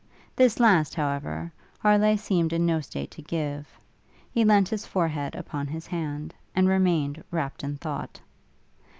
This last, however, Harleigh seemed in no state to give: he leant his forehead upon his hand, and remained wrapt in thought.